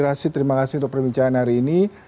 terima kasih terima kasih untuk perbincangan hari ini